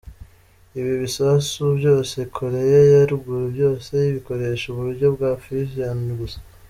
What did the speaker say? Ibi bisasu byose Koreya ya ruguru byose bikoresha uburyo bwa Fission gusa.